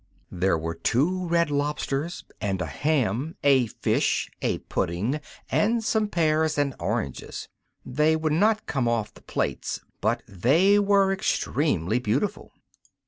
There were two red lobsters and a ham, a fish, a pudding, and some pears and oranges. They would not come off the plates, but they were extremely beautiful.